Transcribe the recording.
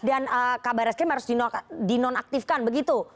dan kabar reskim harus dinonaktifkan begitu